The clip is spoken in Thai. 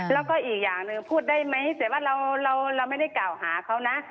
แล้วก็อีกอย่างหนึ่งพูดได้ไหมแต่ว่าเราไม่ได้กล่าวหาเขานะ